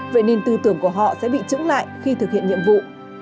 vậy nên tư tưởng của họ sẽ bị trứng lại khi thực hiện nhiệm vụ